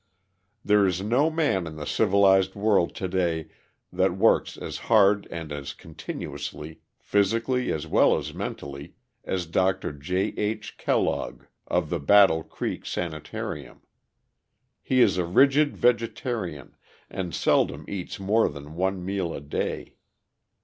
There is no man in the civilized world to day that works as hard and as continuously, physically as well as mentally, as Dr. J. H. Kellogg of the Battle Creek Sanitarium. He is a rigid vegetarian, and seldom eats more than one meal a day.